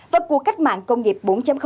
và cuộc cách mạng công nghiệp bốn